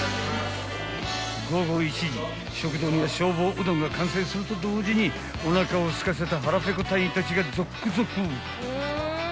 ［午後１時食堂には消防うどんが完成すると同時におなかをすかせた腹ペコ隊員たちが続々］